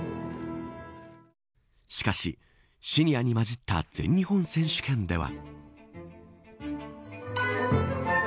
しかしシニアに交じった全日本選手権では。